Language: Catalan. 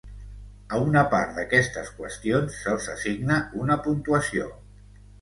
A una part d'aquestes qüestions se'ls assigna una puntuació.